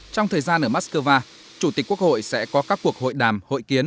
trong thời gian ở moscow chủ tịch quốc hội sẽ có các cuộc hội đàm hội kiến